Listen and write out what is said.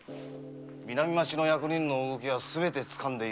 南町の役人の動きはすべて掴んでいるとも。